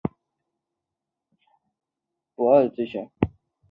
室内植物是办公室摆设的不二之选。